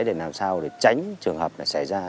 để làm sao để tránh trường hợp xảy ra